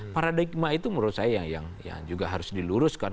paradigma itu menurut saya yang juga harus diluruskan